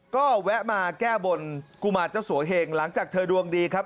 ก็แวะมาแก้บนกุมารเจ้าสัวเหงหลังจากเธอดวงดีครับ